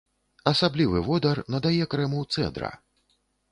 Асаблівы водар надае крэму цэдра.